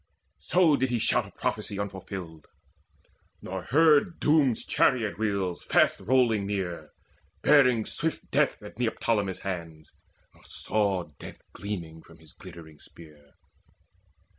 So did he shout a prophecy unfulfilled, Nor heard Doom's chariot wheels fast rolling near Bearing swift death at Neoptolemus' hands, Nor saw death gleaming from his glittering spear.